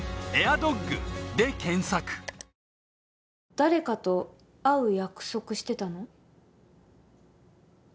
誰かと会う約束してたの？